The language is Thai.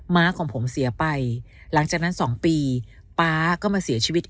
้าของผมเสียไปหลังจากนั้น๒ปีป๊าก็มาเสียชีวิต